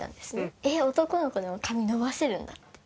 えっ、男の子でも髪伸ばせるんだって。